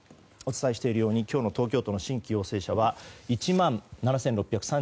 お伝えしているように今日の東京都の新規陽性者は１万７６３１人。